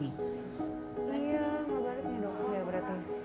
iya gak baik nih dokter ya berarti